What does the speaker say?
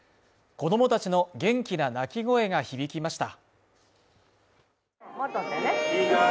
子供たちの元気な泣き声が響きました。